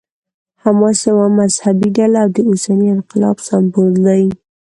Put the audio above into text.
حماس یوه مذهبي ډله او د اوسني انقلاب سمبول دی.